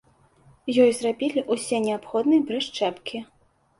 Ёй зрабілі ўсе неабходныя прышчэпкі.